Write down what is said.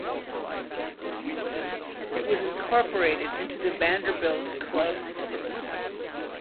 It was incorporated into the Vanderbilt Club system.